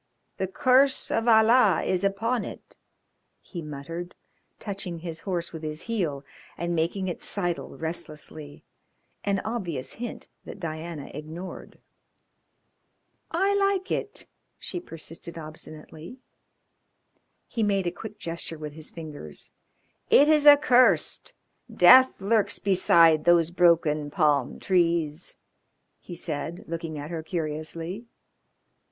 The curse of Allah is upon it," he muttered, touching his horse with his heel, and making it sidle restlessly an obvious hint that Diana ignored. "I like it," she persisted obstinately. He made a quick gesture with his fingers. "It is accursed. Death lurks beside those broken palm trees," he said, looking at her curiously.